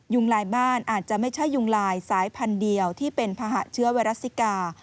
ลายบ้านอาจจะไม่ใช่ยุงลายสายพันธุ์เดียวที่เป็นภาหะเชื้อไวรัสซิกา